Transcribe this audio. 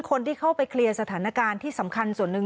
คนที่เข้าไปเคลียร์สถานการณ์ที่สำคัญส่วนหนึ่ง